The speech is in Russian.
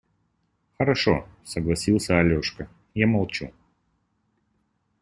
– Хорошо, – согласился Алешка, – я молчу.